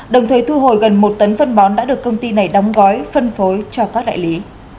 đồng thời thu hồi gần một tấn phân bón đã được công ty này đóng gói phân phối cho các đại lý